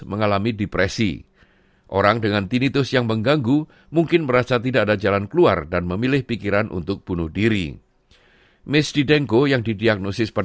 bagi lima belas dua puluh persen orang tinnitus menyebabkan kesusahan dan berdampak signifikan terhadap kehidupan